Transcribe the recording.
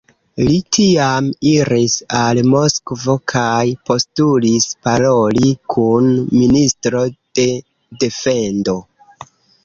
Li tiam iris al Moskvo kaj postulis paroli kun ministro de defendo.